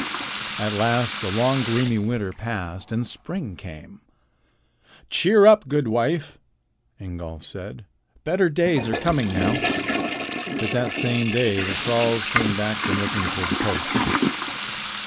At last the long, gloomy winter passed and spring came. "Cheer up, good wife," Ingolf said. "Better days are coming now." But that same day the thralls came back from looking for the posts.